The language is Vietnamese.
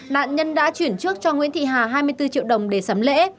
nạn nhân đã chuyển trước cho nguyễn thị hà hai mươi bốn triệu đồng để sắm lễ